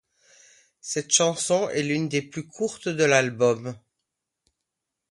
Cette chanson est l'une des plus courtes de l'album.